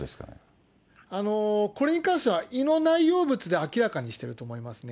これに関しては、胃の内容物で明らかにしてると思いますね。